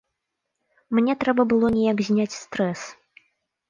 Мне трэба было неяк зняць стрэс.